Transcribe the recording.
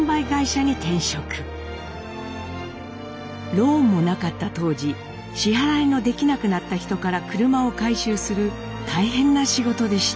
ローンもなかった当時支払いのできなくなった人から車を回収する大変な仕事でした。